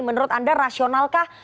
menurut anda rasional kah